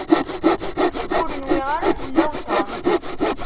Ur nwiɣ ara sellaw Tom.